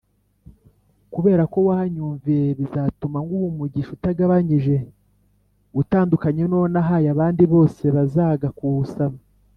kubera ko wanyumviye bizatuma nguha umugisha utagabanyije utandukanye nuwo nahaye abandi bose bazaga kuwusaba